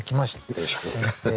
よろしく。